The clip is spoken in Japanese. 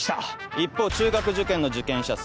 一方中学受験の受験者数